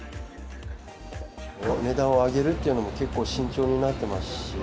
値段を上げるっていうのも、結構慎重になってますし。